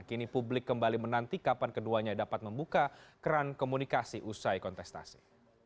kini publik kembali menanti kapan keduanya dapat membuka keran komunikasi usai kontestasi